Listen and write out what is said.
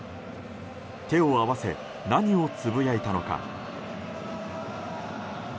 手を合わせ何をつぶやいたのか。